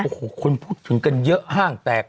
โอ้โหคนพูดถึงกันเยอะห้างแตก